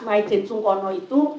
my jensung kono itu